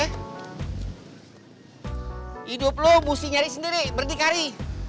hidup lo mesti nyari sendiri berdikari